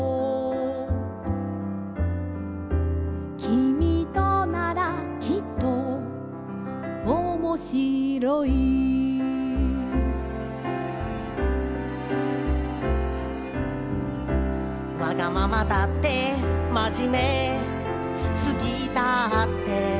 「君とならきっとおもしろい」「わがままだってまじめすぎだって」